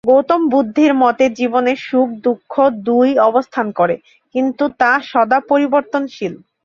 গৌতম বুদ্ধের মতে জীবনে সুখ ও দুঃখ দুই অবস্থান করে, কিন্তু তা সদা পরিবর্তনশীল।